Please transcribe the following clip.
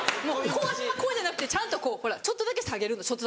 こうじゃなくてちゃんとこうちょっとだけ下げるのちょっと。